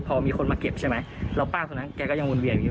พอมีคนมาเก็บใช่ไหมแล้วป้าตรงนั้นแกก็ยังวุ่นเวียงอยู่